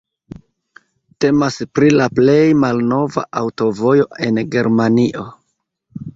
Temas pri la plej malnova aŭtovojo en Germanio.